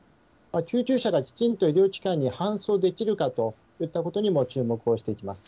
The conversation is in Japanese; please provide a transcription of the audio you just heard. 救急車がきちんと医療機関に搬送できるかといったことにも注目をしていきます。